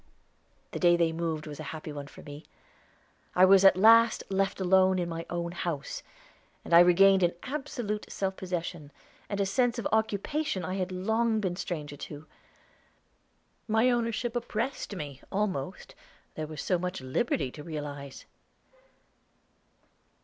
The day they moved was a happy one for me. I was at last left alone in my own house, and I regained an absolute self possession, and a sense of occupation I had long been a stranger to. My ownership oppressed me, almost, there was so much liberty to realize.